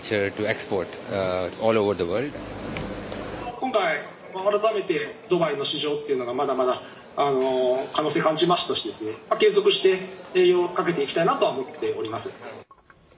今回、改めてドバイの市場っていうのが、まだまだ可能性感じましたので、継続して営業をかけていきたいなとは思っております。